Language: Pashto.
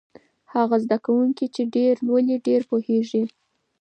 هغه زده کوونکی چې ډېر لولي ډېر پوهېږي.